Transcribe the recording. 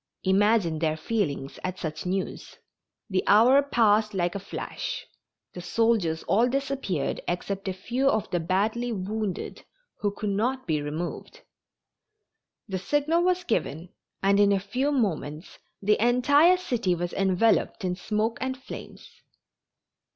Imagine their feelings at such news. The hour passed like a flash. The soldiers all disappeared except a few of the badly wounded, who could not be removed. The signal was given and in a few moments the entire city was enveloped in smoke and flames.